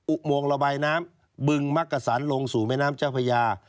อุโมงระบายน้ำบึงมักกะสันลงสู่แม่น้ำเจ้าพญา